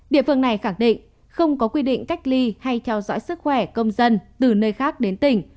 địa phương này khẳng định không có quy định cách ly hay theo dõi sức khỏe công dân từ nơi khác đến tỉnh